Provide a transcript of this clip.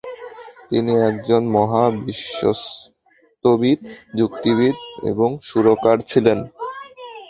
তিনি একজন মহাবিশ্বতত্ত্ববিদ, যুক্তিবিদ এবং সুরকার ছিলেন।